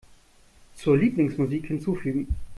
Zur Lieblingsmusik hinzufügen.